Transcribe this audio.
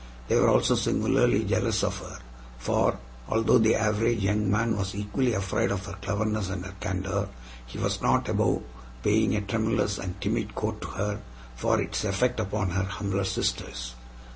They were also singularly jealous of her, for although the average young man was equally afraid of her cleverness and her candor, he was not above paying a tremulous and timid court to her for its effect upon her humbler sisters.